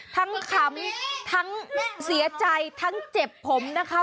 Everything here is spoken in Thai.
ขำทั้งเสียใจทั้งเจ็บผมนะคะ